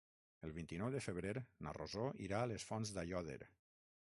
El vint-i-nou de febrer na Rosó irà a les Fonts d'Aiòder.